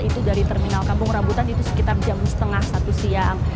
itu dari terminal kampung rambutan itu sekitar jam setengah satu siang